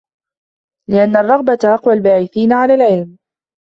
لِأَنَّ الرَّغْبَةَ أَقْوَى الْبَاعِثَيْنِ عَلَى الْعِلْمِ